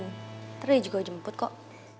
nanti dia juga udah jemput kok